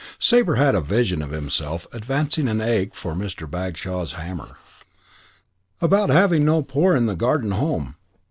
Sabre had a vision of himself advancing an egg for Mr. Bagshaw's hammer. "About having no poor in the Garden Home.